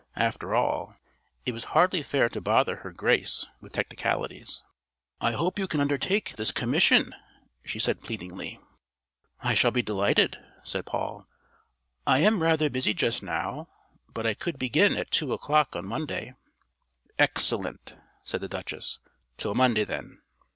After all, it was hardly fair to bother her Grace with technicalities. "I hope you can undertake this commission," she said pleadingly. "I shall be delighted," said Paul. "I am rather busy just now, but I could begin at two o'clock on Monday." "Excellent," said the Duchess. "Till Monday, then."